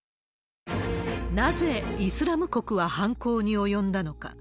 なぜイスラム国は犯行に及んだのか。